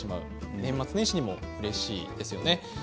年末年始にもうれしいですよね。